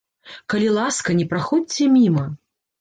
Калі ласка, не праходзьце міма!